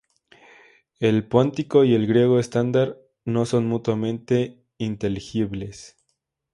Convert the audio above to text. El póntico y el griego estándar no son mutuamente inteligibles.